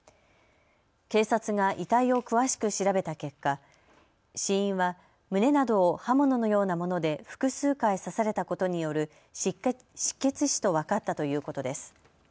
警察が遺体を詳しく調べた結果、死因は胸などを刃物のようなもので複数回、刺されたことによる失血死と分かったということです。